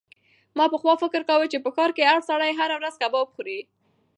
ما پخوا فکر کاوه چې په ښار کې هر سړی هره ورځ کباب خوري.